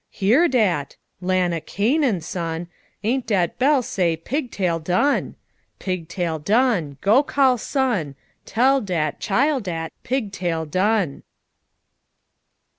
Hear dat! Lan' o' Canaan, Son, Aint dat bell say 'Pig tail done!' '_Pig tail done! Go call Son! Tell dat Chile dat Pig tail done!